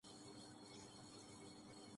تمام ریستوران ختم ہو چکے ہیں۔